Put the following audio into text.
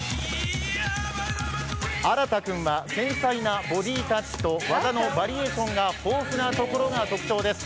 あらた君は、繊細なボディータッチと技のバリエーションが豊富なところが特徴です。